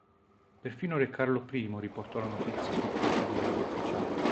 Perfino Re Carlo I riportò la notizia sul proprio diario ufficiale.